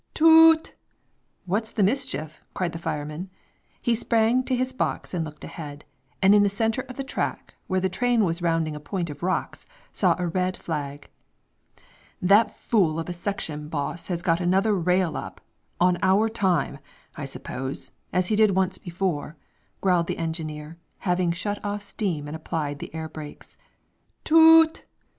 Toot! "What's the mischief?" cried the fireman. He sprung to his box and looked ahead, and in the center of the track, where the train was rounding a point of rocks, saw a red flag. "That fool of a section boss has got another rail up, on our time, I suppose, as he did once before," growled the engineer, having shut off steam and applied the air brakes. Toot!